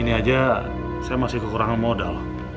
ini aja saya masih kekurangan modal